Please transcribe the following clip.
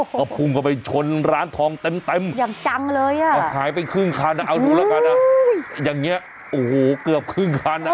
ก็พุ่งเข้าไปชนร้านทองเต็มหายไปครึ่งคันนะเอาหนูละกันนะอย่างนี้โอ้โหเกือบครึ่งคันนะ